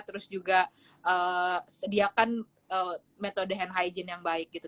terus juga sediakan metode hand hygiene yang baik gitu